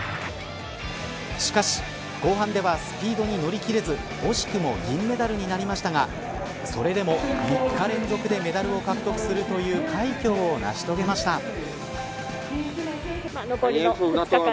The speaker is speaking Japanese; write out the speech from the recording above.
しかし後半ではスピードに乗り切れず惜しくも銀メダルになりましたがそれでも３日連続でメダルを獲得するという快挙を成し遂げました。